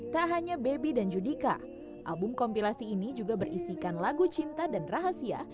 tak hanya baby dan judika album kompilasi ini juga berisikan lagu cinta dan rahasia